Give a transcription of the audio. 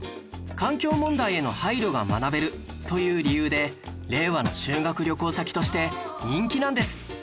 環境問題への配慮が学べるという理由で令和の修学旅行先として人気なんです